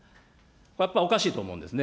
やっぱおかしいと思うんですね。